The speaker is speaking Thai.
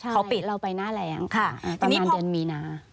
เขาปิดเราไปหน้าแรงค่ะประมาณเดือนมีนา